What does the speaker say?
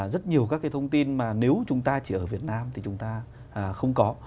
rất nhiều các cái thông tin mà nếu chúng ta chỉ ở việt nam thì chúng ta không có